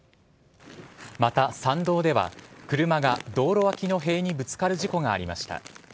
また山道では車が道路脇の塀にぶつかる事故がありました。